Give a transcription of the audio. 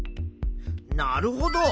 なるほど。